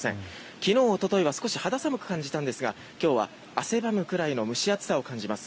昨日、おとといは少し肌寒く感じたんですが今日は汗ばむくらいの蒸し暑さを感じます。